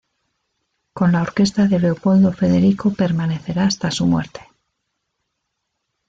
Con la orquesta de Leopoldo Federico permanecerá hasta su muerte.